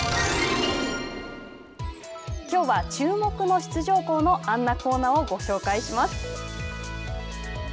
きょうは注目の出場校の「あんなこんな」をご紹介します。